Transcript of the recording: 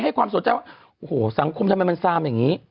ความสนใจว่าโอ้โหสังคมทำไมมันซามอย่างนี้